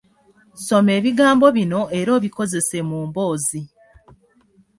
Soma ebigambo bino era obikozese mu mboozi.